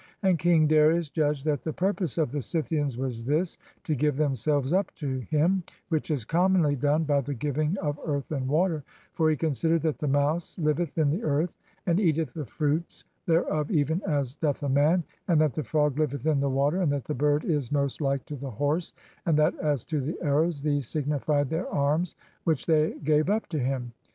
And King Darius judged that the purpose of the Scythians was this, to give thernselves up to him (which is commonly done by the gi\'ing of earth and water), for he considered that the mouse liveth in the earth, and eateth the fruits thereof even as doth a man, and that the frog liveth in the water, and that the bird is most like to the horse, and that as to the arrows these signified their arms which they gave up to him.